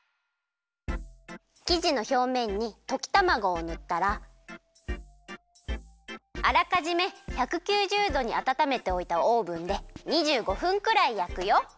きじのひょうめんにときたまごをぬったらあらかじめ１９０どにあたためておいたオーブンで２５分くらいやくよ。